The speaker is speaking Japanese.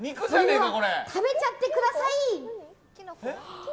食べちゃってください。